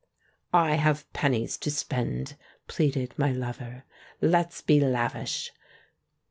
*'I have pen nies to spend," pleaded my lover, "let's be lav ish!"